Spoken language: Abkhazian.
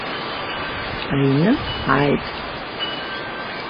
Аҩны ҳааит.